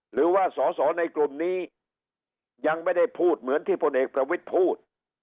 หรือว่าสอสอในกลุ่มนี้ยังไม่ได้พูดเหมือนที่พลเอกประวิทย์พูด